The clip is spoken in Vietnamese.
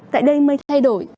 tại đây mây thay đổi